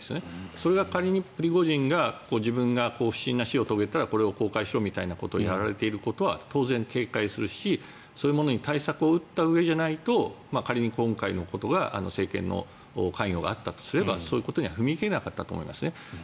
それが仮にプリゴジンが自分が不審な死を遂げたらこれを公開しろとは当然警戒するし、そういうものに対策を打ったうえじゃないと仮に今回のことが政権の関与があったとすればそういうことには踏み切れなかったと思います。